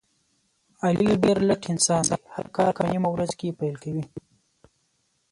علي ډېر لټ انسان دی، هر کار په نیمه ورځ کې پیل کوي.